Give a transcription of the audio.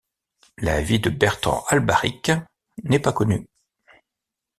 La vie de Bertran Albaric n'est pas connue.